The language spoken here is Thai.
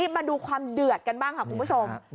มาดูความเดือดกันบ้างค่ะคุณผู้ชม